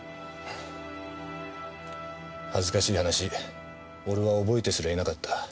恥ずかしい話俺は覚えてすらいなかった。